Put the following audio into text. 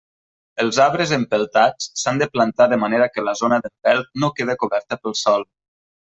Els arbres empeltats s'han de plantar de manera que la zona d'empelt no quede coberta pel sòl.